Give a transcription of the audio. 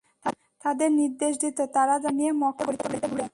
তাদের নির্দেশ দিত, তারা যেন তাকে নিয়ে মক্কার অলিতে গলিতে ঘুরে।